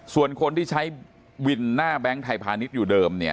ส่วนคนที่ใช้วินหน้าแบงค์ไทยพาณิชย์อยู่เดิมเนี่ย